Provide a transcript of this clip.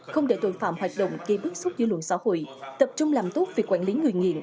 không để tội phạm hoạt động gây bức xúc dư luận xã hội tập trung làm tốt việc quản lý người nghiện